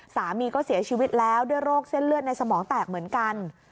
สามีก็เสียชีวิตแล้วด้วยโรคเส้นเลือดในสมองแตกเหมือนกัน